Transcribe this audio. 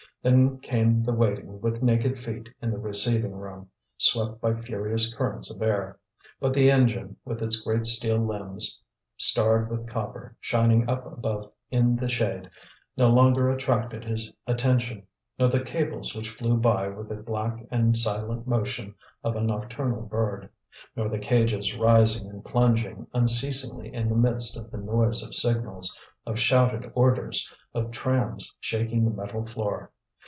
Then came the waiting with naked feet in the receiving room, swept by furious currents of air. But the engine, with its great steel limbs starred with copper shining up above in the shade, no longer attracted his attention, nor the cables which flew by with the black and silent motion of a nocturnal bird, nor the cages rising and plunging unceasingly in the midst of the noise of signals, of shouted orders, of trams shaking the metal floor.